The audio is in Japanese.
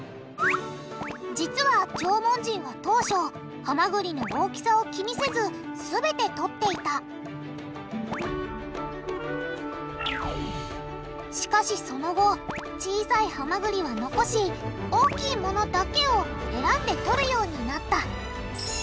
実は縄文人は当初ハマグリの大きさを気にせずすべてとっていたしかしその後小さいハマグリは残し大きいものだけを選んでとるようになった。